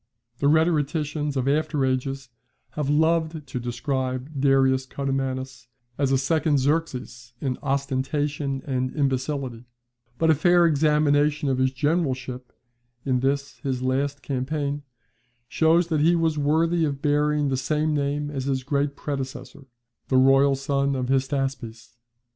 The rhetoricians of after ages have loved to describe Darius Codomannus as a second Xerxes in ostentation and imbecility; but a fair examination of his generalship in this his last campaign, shows that he was worthy of bearing the same name as his great predecessor, the royal son of Hystaspes.